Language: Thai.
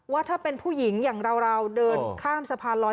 ว่าถ้าเป็นผู้หญิงอย่างเราเดินข้ามสะพานลอย